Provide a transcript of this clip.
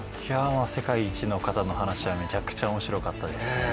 世界一の方の話はめちゃくちゃおもしろかったですね。